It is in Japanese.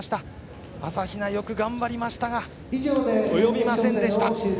朝比奈、よく頑張りましたが及びませんでした。